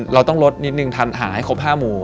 เราต้องลดนิดนึงทันหาให้ครบ๕หมู่